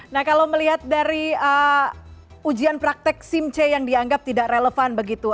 nah kalau melihat dari ujian praktek simc yang dianggap tidak relevan begitu